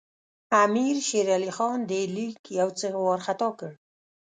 امیر شېر علي خان دې لیک یو څه وارخطا کړ.